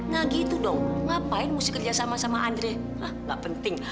nah gitu dong ngapain mesti kerja sama sama andre